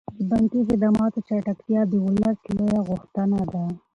د بانکي خدماتو چټکتیا د ولس لویه غوښتنه ده.